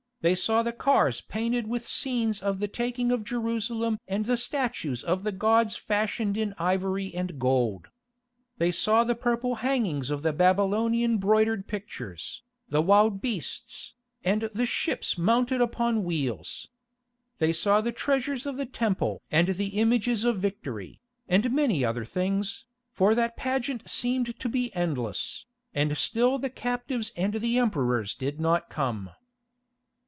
They saw the cars painted with scenes of the taking of Jerusalem and the statues of the gods fashioned in ivory and gold. They saw the purple hangings of the Babylonian broidered pictures, the wild beasts, and the ships mounted upon wheels. They saw the treasures of the temple and the images of victory, and many other things, for that pageant seemed to be endless, and still the captives and the Emperors did not come.